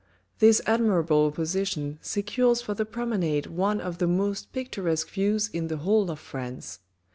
This admirable position secures for the promenade one of the most picturesque views in the whole ot France.